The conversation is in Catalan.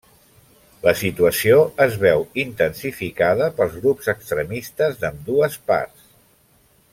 La situació es veu intensificada pels grups extremistes d'ambdues parts.